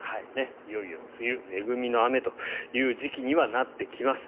いよいよ梅雨恵みの雨という時期にはなってきます。